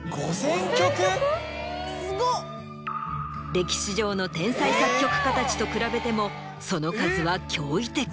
歴史上の天才作曲家たちと比べてもその数は驚異的。